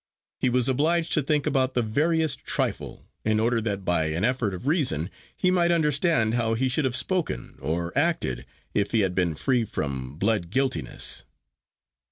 He was obliged to think about the veriest trifle, in order that by an effort of reason he might understand how he should have spoken or acted if he had been free from blood guiltiness.